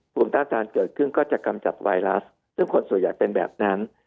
ภูมิต้านทานเกิดขึ้นก็จะกำจัดไวรัสซึ่งคนส่วนใหญ่เป็นแบบนั้น